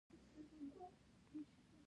د خپلوانو لیدل زړونو ته خوښي راولي